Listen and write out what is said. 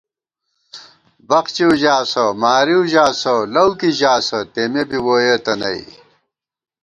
بخچِؤ ژاسہ ، مارِؤ ژاسہ ،لَؤ کی ژاسہ تېمے بی ووئېتہ نئ